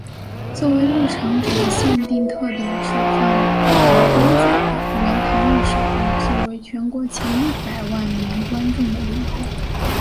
作为入场者的限定特典是放有公仔的圆堂御守以作为全国前一百万名观众的礼物。